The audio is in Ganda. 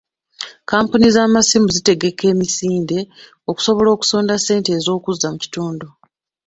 Kkampuni z'amasimu zitegeka emisinde okusobola okusonda ssente ez'okuzza mu kitundu